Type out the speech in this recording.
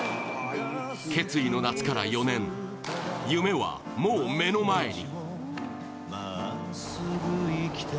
決意の夏から４年、夢はもう目の前に。